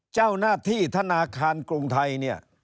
เจ้าหน้าที่ธนาคารกรุงไทยเนี่ย